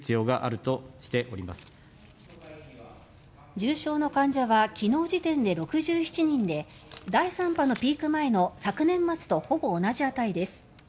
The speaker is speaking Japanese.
重症の患者は昨日時点で６７人で第３波のピーク前の昨年末とほぼ同じ値です。